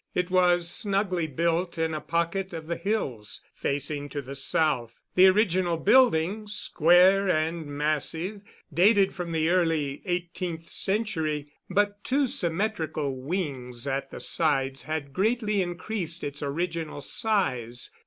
It was snugly built in a pocket of the hills, facing to the south. The original building, square and massive, dated from the early eighteenth century, but two symmetrical wings at the sides had greatly increased its original size.